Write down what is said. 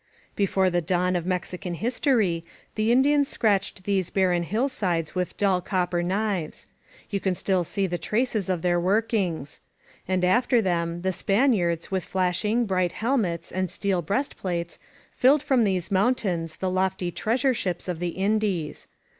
Before the dawn of Mexican history the Indians scratched these barren hillsides with dull copper knives. You can still see the traces of their workings. And after them the Spaniards, with flash ing, bright helmets and steel breast plates, filled from these mountains the lofty treasure ships of the In dies.